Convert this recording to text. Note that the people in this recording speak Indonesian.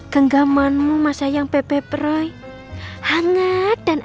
kenggamanmu mas sayang pepengangnya gitu kan